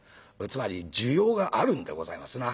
つまり需要があるんでございますな。